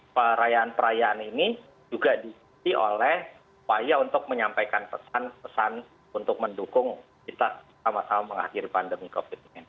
perayaan perayaan ini juga diikuti oleh upaya untuk menyampaikan pesan pesan untuk mendukung kita sama sama mengakhiri pandemi covid sembilan belas